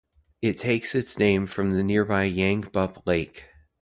It takes its name from the nearby Yangebup Lake.